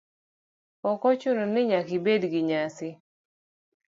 Ok ochuno ni nyaka ibed gi nyasi.